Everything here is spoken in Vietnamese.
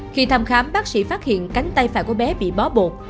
khi thăm khám bác sĩ phát hiện cánh tay phải của bé bị bó bột